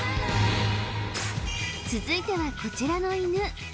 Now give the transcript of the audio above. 続いてはこちらの犬